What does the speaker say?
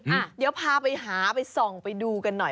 อ่ะเดี๋ยวพาไปหาไปส่องไปดูกันหน่อย